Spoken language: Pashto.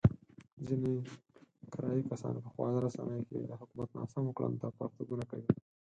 ځنې کرايي کسان په خواله رسينو کې د حکومت ناسمو کړنو ته پرتوګونه کوي.